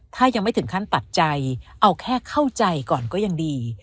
ถ้ายังไม่ถึงขั้นตัดใจเอาแค่เข้าใจก่อนก็ยังดี